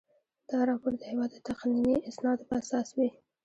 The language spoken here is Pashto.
دا راپور د هیواد د تقنیني اسنادو په اساس وي.